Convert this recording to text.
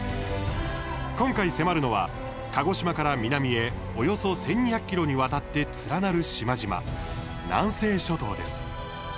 今回、迫るのは鹿児島から南へおよそ１２００ｋｍにわたって連なる島々南西諸島です。